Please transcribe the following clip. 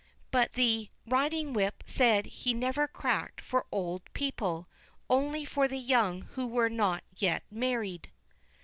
But the riding whip said he never cracked for old people, only for the young who were not yet married.